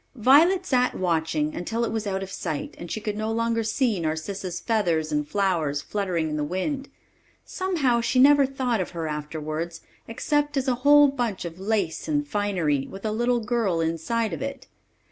Violet sat watching until it was out of sight, and she could no longer see Narcissa's feathers and flowers fluttering in the wind. Some how she never thought of her afterwards, except as a whole bunch of lace and finery, with a little girl inside of it.